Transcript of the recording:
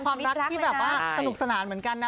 ก็แบบว่าสนุกสนานเหมือนกันนะ